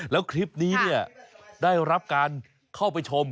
แล้วคลิปนี้เนี่ยได้รับการเข้าไปชม